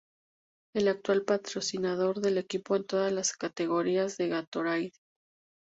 El actual patrocinador del equipo en todas las categorías es Gatorade.